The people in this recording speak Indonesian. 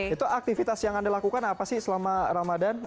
itu aktivitas yang anda lakukan apa sih selama ramadan